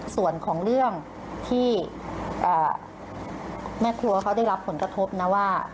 ส่วนของเรื่องที่แม่ครัวเขาได้รับผลกระทบนะว่า